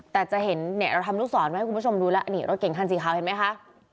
แต่จะเห็นเนี่ยเราทำลูกศรไว้ให้คุณผู้ชมดูแล้วนี่รถเก่งคันสีขาวเห็นไหมคะ